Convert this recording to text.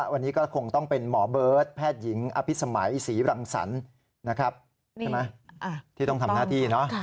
วันนี้ก็คงต้องเป็นหมอเบิร์ตแพทย์หญิงอภิษมัยศรีรังสรรค์นะครับที่ต้องทำหน้าที่